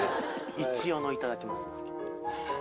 一応の「いただきます」。